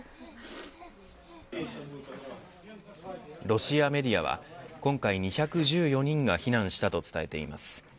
ロシアメディアは今回２１４人が避難したと伝えています。